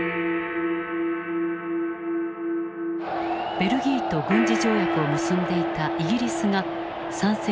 ベルギーと軍事条約を結んでいたイギリスが参戦に踏み切る。